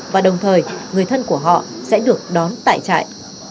và đồng thời người thân của họ sẽ được đón tại trại